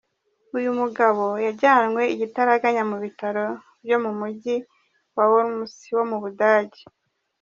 Uyu mugabo yajyanywe igitaraganya mu bitaro byo mu Mujyi wa Worms wo mu Budage.